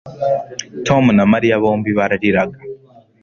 Tom na Mariya bombi barariraga